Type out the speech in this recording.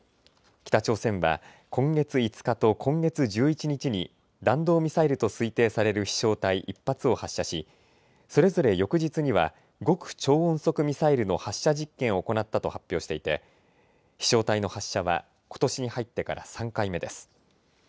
北朝鮮は今月５日と今月１１日に弾道ミサイルと推定される飛しょう体１発を発射しそれぞれ翌日には極超音速ミサイルの発射実験を行ったと発表していて飛しょう体の発射はことしに入ってから３回目です。